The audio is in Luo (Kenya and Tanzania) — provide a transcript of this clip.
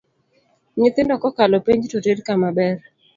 Nyithindo kokalo penj toter kama ber